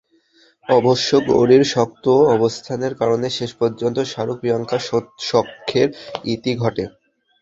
অবশ্য গৌরীর শক্ত অবস্থানের কারণে শেষ পর্যন্ত শাহরুখ-প্রিয়াঙ্কা সখ্যের ইতি ঘটে।